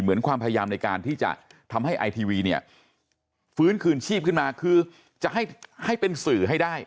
ความพยายามในการที่จะทำให้ไอทีวีเนี่ยฟื้นคืนชีพขึ้นมาคือจะให้เป็นสื่อให้ได้